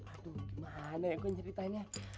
aduh gimana ya gue ceritanya